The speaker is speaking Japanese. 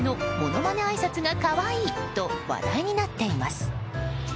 チームメートへのものまねあいさつが可愛いと話題になっています。